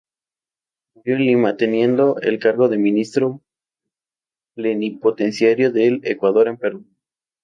Murió en Lima, teniendo el cargo de ministro plenipotenciario del Ecuador en Perú.